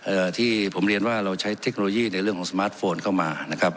ที่ผมเรียนว่าเราใช้เทคโนโลยีในเรื่องของสมาร์ทโฟนเข้ามานะครับ